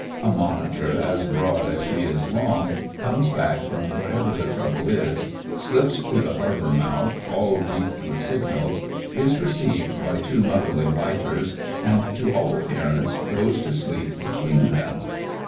A monitor as broad as she is long comes back from wherever the trouble is, slips through the harbour mouth, all wreathed with signals, is received by two motherly lighters, and, to all appearance, goes to sleep between them.